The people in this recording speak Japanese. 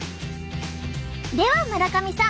では村上さん